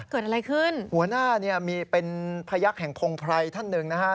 เกิดอะไรขึ้นหัวหน้าเนี่ยมีเป็นพยักษณ์แห่งพงภัยท่านหนึ่งนะฮะ